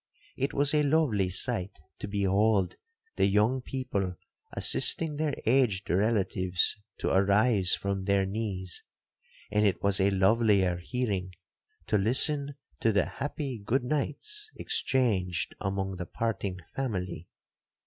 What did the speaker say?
It was a lovely sight to behold the young people assisting their aged relatives to arise from their knees,—and it was a lovelier hearing, to listen to the happy good nights exchanged among the parting family.